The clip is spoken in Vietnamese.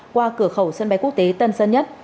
qua cửa khẩu sân bay quốc tế tân sơn nhất